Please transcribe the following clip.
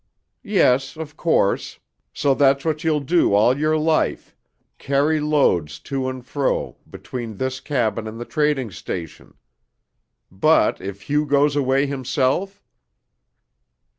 "Yes, of course. So that's what you'll do all your life carry loads to and fro, between this cabin and the trading station. But if Hugh goes away himself?"